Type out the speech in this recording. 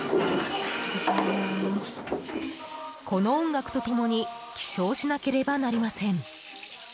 この音楽と共に起床しなければなりません。